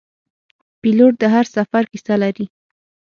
پیلوټ د هر سفر کیسه لري.